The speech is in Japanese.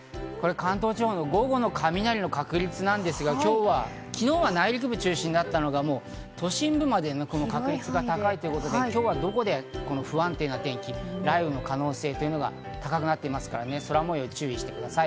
関東地方の午後の雷の確率ですが、昨日は内陸部中心だったのが都心部まで確率が高いということで今日は雷雨の可能性が高くなっているので空模様に注意してください。